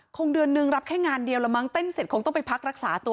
คงเดือนนึงรับแค่งานเดียวละมั้งเต้นเสร็จคงต้องไปพักรักษาตัว